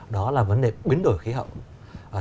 đó là vấn đề biến đổi khí hậu